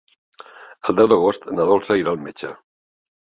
El deu d'agost na Dolça irà al metge.